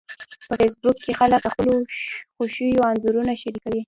په فېسبوک کې خلک د خپلو خوښیو انځورونه شریکوي